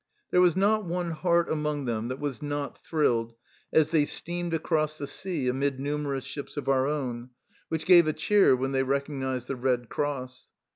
There was not one heart among them that was not thrilled as they steamed across the sea amid numerous ships of our own, which gave a cheer when they recognized the Red Cross.